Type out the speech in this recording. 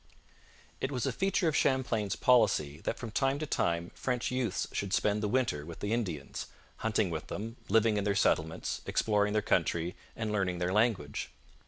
It was a feature of Champlain's policy that from time to time French youths should spend the winter with the Indians hunting with them, living in their settlements, exploring their country, and learning their language.